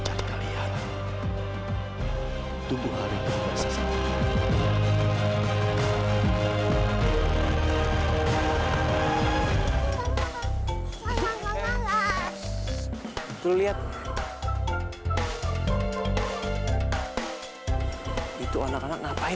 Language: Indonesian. jalannya kita coba pak